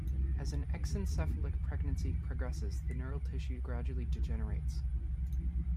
As an exencephalic pregnancy progresses, the neural tissue gradually degenerates.